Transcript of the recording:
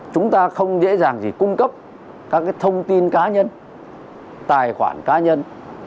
chúng ta không dễ dàng gì cung cấp các thông tin cá nhân tài khoản cá nhân